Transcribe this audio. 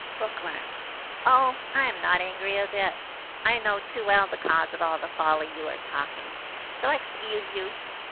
Bookworm. "Oh, I am not angry a bit. I know too well the cause of all the folly you are talking, so I excuse you.